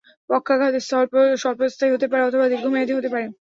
পক্ষাঘাত স্বল্পস্থায়ী হতে পারে অথবা দীর্ঘমেয়াদী হতে পারে।